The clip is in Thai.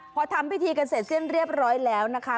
พอทำพิธีกันเสร็จสิ้นเรียบร้อยแล้วนะคะ